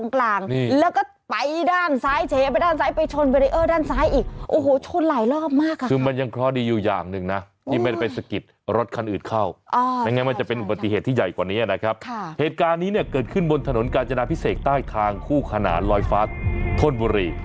ค่ะคือเพจชื่อดังนั้นนะครับเนี้ยฮะเพจนี้เนี่ยแหละครับ